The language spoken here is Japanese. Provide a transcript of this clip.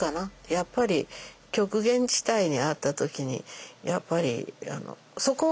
やっぱり極限地帯にあった時にやっぱりそこまでね